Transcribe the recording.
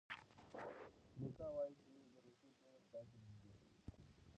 میکا وايي چې د روژې پیل خدای ته نژدې کوي.